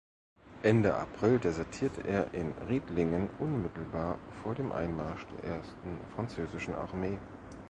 Ende April desertierte er in Riedlingen unmittelbar vor dem Einmarsch der Ersten französischen Armee.